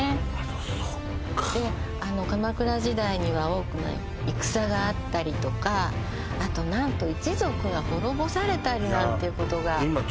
そっかで鎌倉時代には多くの戦があったりとかあと何と一族が滅ぼされたりなんていうことがいや